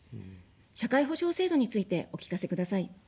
社会保障制度についてお聞かせください。